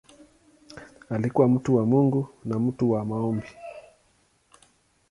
Alikuwa mtu wa Mungu na mtu wa maombi.